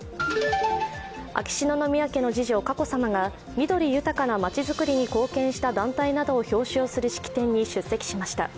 秋篠宮家の次女、佳子さまが緑豊かなまちづくりに貢献した団体などを表彰する式典に出席しました。